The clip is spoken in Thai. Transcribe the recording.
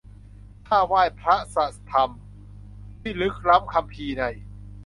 ข้าไหว้พระสะธรรม ที่ลึกล้ำคัมภีร์ใน